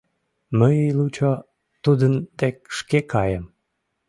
Мый лучо тудын дек шке каем.